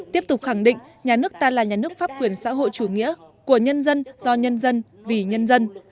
tiếp tục khẳng định nhà nước ta là nhà nước pháp quyền xã hội chủ nghĩa của nhân dân do nhân dân vì nhân dân